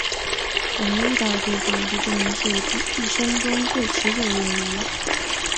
我们遇到了对方而这证明是我一生中最持久的友谊。